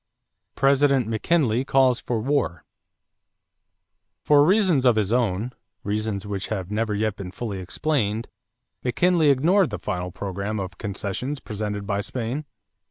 =President McKinley Calls for War.= For reasons of his own reasons which have never yet been fully explained McKinley ignored the final program of concessions presented by Spain.